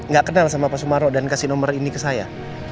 ga kenal sama pak sumarno dan kasih nomer ini ke saya